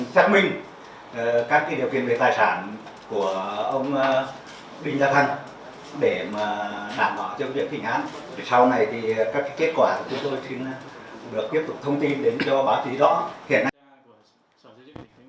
sau này các kết quả của chúng tôi sẽ được tiếp tục thông tin đến cho báo chí rõ hiện nay